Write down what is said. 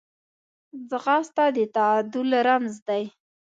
ځغاسته د تعادل رمز دی